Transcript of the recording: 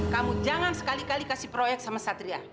kamu jangan sekali kali kasih proyek sama satria